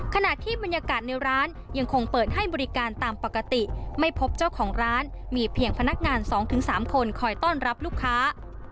ขณะที่บรรยากาศในร้านยังคงเปิดให้บริการตามปกติไม่พบเจ้าของร้านมีเพียงพนักงาน๒๓คนคอยต้อนรับลูกค้า